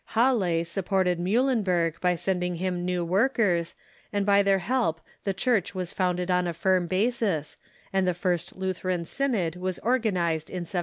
Halle supported Muhlenberg by sending him now workers, and by their help the Church Avas founded on a firm basis, and the first Lutheran synod was or ganized in 1748.